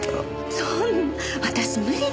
そんな私無理です。